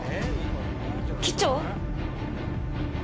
機長？